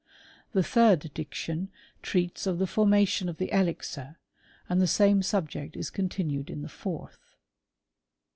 The third diction treats of the for mation of the elixir ; and the same subject is con tinued in the fourth.